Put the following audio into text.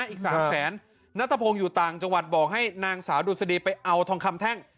อีก๓แสนนัทพงศ์อยู่ต่างจังหวัดบอกให้นางสาวดุษฎีไปเอาทองคำแท่ง